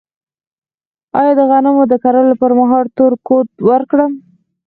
آیا د غنمو د کرلو پر مهال تور کود ورکړم؟